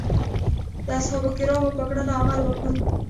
د اصحابو کرامو په کړنو عمل وکړو.